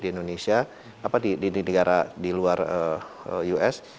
di indonesia apa di negara di luar us